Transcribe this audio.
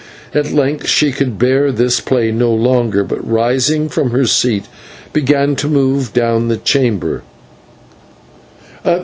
At length she could bear this play no longer, but, rising from her seat, began to move down the chamber.